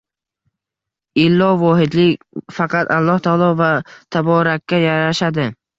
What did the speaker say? Illo, Vohidlik — faqat Olloh taolo va taborakka yarashadi.